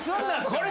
これ。